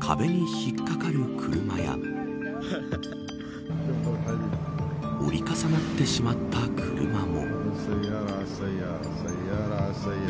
壁に引っ掛かる車や折り重なってしまった車も。